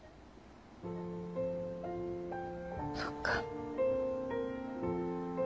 そっか。